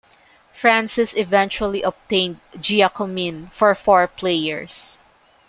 Francis eventually obtained Giacomin for four players.